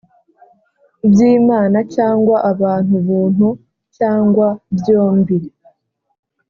byimana cyangwa abantu buntu, cyangwa byombi,